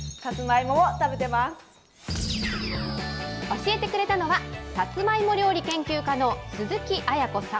教えてくれたのは、さつまいも料理研究家の鈴木絢子さん。